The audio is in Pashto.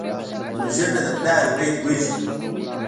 وژنه د پلار امید وژني